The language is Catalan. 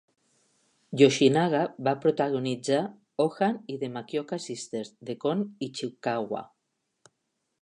Yoshinaga va protagonitzar "Ohan" i "The Makioka Sisters" de Kon Ichikawa.